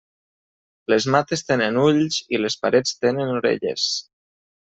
Les mates tenen ulls, i les parets tenen orelles.